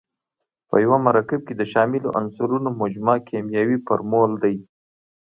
په یوه مرکب کې د شاملو عنصرونو مجموعه کیمیاوي فورمول دی.